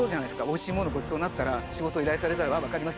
おいしいものをごちそうになったら仕事依頼されたら「ああ分かりました。